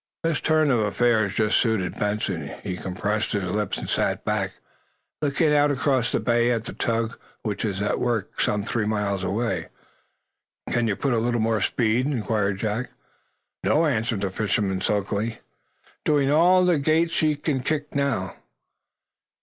This turn of affairs just suited Benson. He compressed his lips and sat back, looking out across the bay at the tug, which was at work some three miles away. "Can you put on a little more speed?" inquired Jack. "No," answered the fisherman, sulkily. "Doin' all the gait she'll kick now."